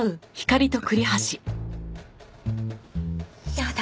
やだ